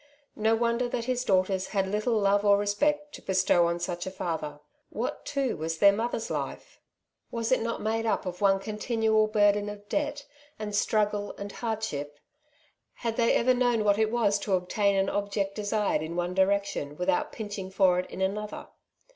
No wonder that his daughters had little love or respect to bestow on such a father. What, too, was their mother^s life? Was it not made up of one continual burden of debt, and struggle, and hardship? Had they ever known what it was to obtain an object desired in one direc tion without pinching for it in another